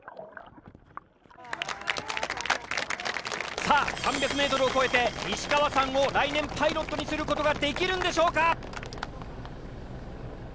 さあ３００ｍを超えて西川さんを来年パイロットにすることが出来るんでしょうか？